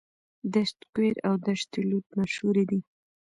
دشت کویر او دشت لوت مشهورې دي.